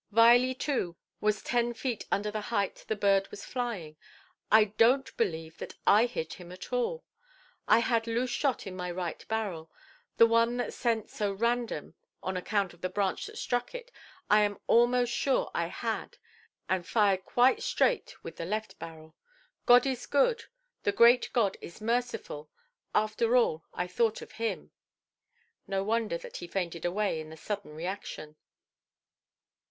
Viley, too, was ten feet under the height the bird was flying. I donʼt believe that I hit him at all. I had loose shot in my right barrel; the one that sent so random, on account of the branch that struck it. I am almost sure I had, and I fired quite straight with the left barrel. God is good, the great God is merciful, after all I thought of Him". No wonder that he fainted away, in the sudden reaction.